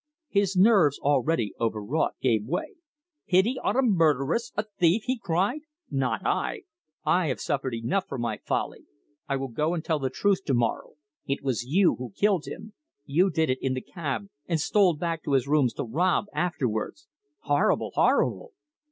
His nerves, already overwrought, gave way. "Pity on a murderess, a thief!" he cried. "Not I! I have suffered enough for my folly. I will go and tell the truth to morrow. It was you who killed him. You did it in the cab and stole back to his rooms to rob afterwards. Horrible! Horrible!"